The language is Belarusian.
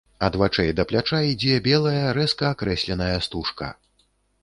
Ад вачэй да пляча ідзе белая рэзка акрэсленая стужка.